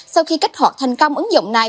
sau khi kích hoạt thành công ứng dụng này